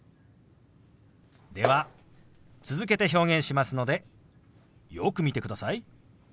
では続けて表現しますのでよく見てください。